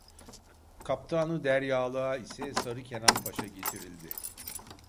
Kaptan-ı deryalığa ise Sarı Kenan Paşa getirildi.